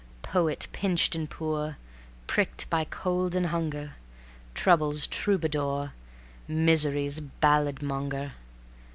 Poet pinched and poor, Pricked by cold and hunger; Trouble's troubadour, Misery's balladmonger."